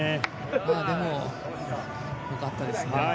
でも、良かったです。